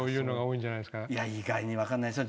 意外に分からないですよ。